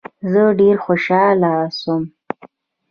زه ډیر خوشحاله سوم.